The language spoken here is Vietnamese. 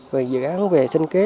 về dự án về sinh kế